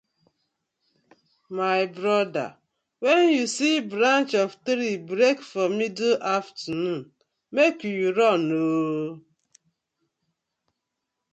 My bother wen yu see branch of tree break for middle afternoon mek yu run ooo.